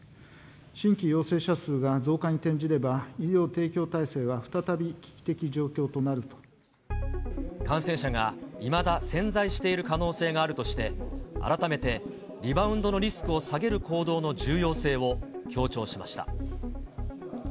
新規陽性者数が増加に転じれば、医療提供体制は再び危感染者がいまだ、潜在している可能性があるとして、改めてリバウンドのリスクを下げる行動の重要性を強調しました。